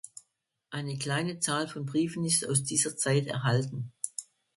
Eine kleine Zahl von Briefen ist aus dieser Zeit erhalten.